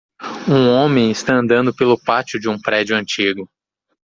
Um homem está andando pelo pátio de um prédio antigo.